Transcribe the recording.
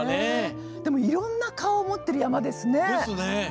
でもいろんな顔を持っている山ですね。